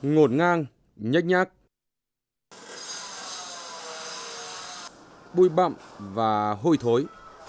ngột ngang nhắc nhắc bùi bậm và hôi thối